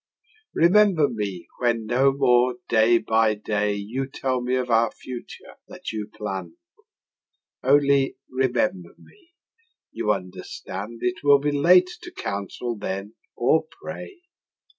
Remember me when no more day by day You tell me of our future that you plann'd: Only remember me; you understand It will be late to counsel then or pray.